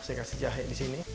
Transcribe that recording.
saya kasih jahe disini